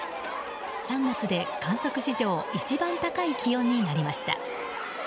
３月で観測史上一番高い気温になりました。